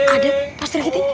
aduh pas tergit ini